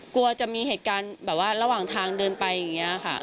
กลัวจะมีเหตุการณ์แบบว่าระหว่างทางเดินไปอย่างนี้ค่ะ